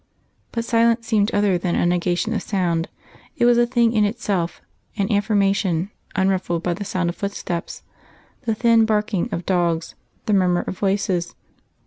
But silence seemed other than a negation of sound, it was a thing in itself, an affirmation, unruffled by the sound of footsteps, the thin barking of dogs, the murmur of voices.